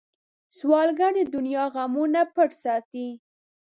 سوالګر د دنیا غمونه پټ ساتي